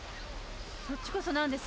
そっちこそ何です？